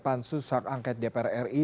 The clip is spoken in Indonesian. pan susak angket dpr ri